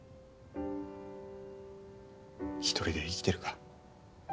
一人で生きてるか。